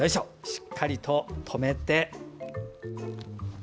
しっかりととめて。